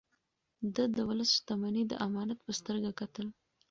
ده د ولس شتمني د امانت په سترګه کتل.